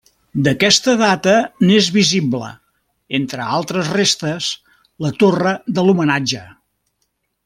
D'aquesta data n'és visible, entre altres restes, la torre de l'homenatge.